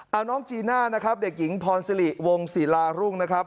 เอาน้องจีน่านะครับเด็กหญิงพรสิริวงศิลารุ่งนะครับ